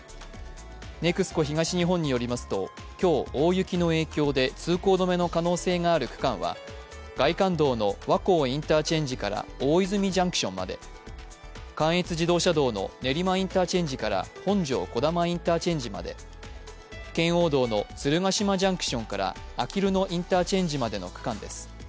ＮＥＸＣＯ東日本によりますと今日、大雪の影響で通行止めの可能性がある区間は外環道の和光インターチェンジから大泉ジャンクションまで、関越自動車道の練馬インターチェンジから本庄児玉インターチェンジまで、圏央道の鶴ヶ島ッジャンクション−あきるのインターチェンジまでの区間です。